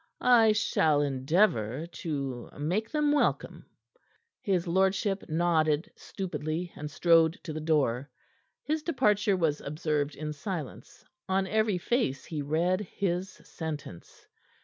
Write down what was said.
"I shall endeavor to make them welcome." His lordship nodded stupidly, and strode to the door. His departure was observed in silence. On every face he read his sentence.